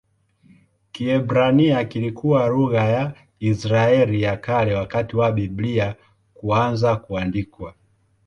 Kiebrania kilikuwa lugha ya Israeli ya Kale wakati wa Biblia kuanza kuandikwa.